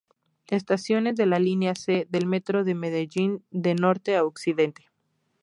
Estaciones de la Linea C del Metro de Medellín de norte a occidente.